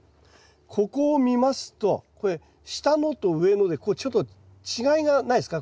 ここを見ますとこれ下のと上のでちょっと違いがないですか？